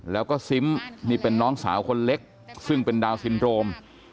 แล้วก็ซิมนี่เป็นน้องสาวคนเล็กซึ่งเป็นดาวนซินโรม